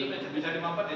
meja lima puluh empat disini